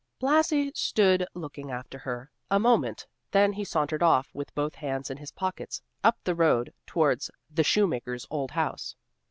Blasi stood looking after her, a moment, then he sauntered off, with both hands in his pockets, up the road towards, the shoemaker's old house.